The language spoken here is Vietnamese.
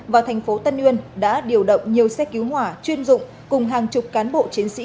và thành phố tân uyên đã điều động nhiều xe cứu hỏa chuyên dụng cùng hàng chục cán bộ chiến sĩ